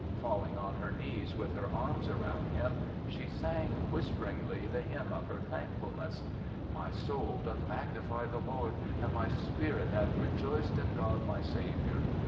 Falling on her knees, with her arms about him, she sang whisper ingly the hymn of her thankfulness: My soul doth magnify the Lord and my spirit hath rejoiced in God my Saviour.